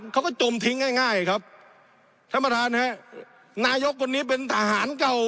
จมทิ้งง่ายง่ายครับท่านประธานฮะนายกคนนี้เป็นทหารเก่า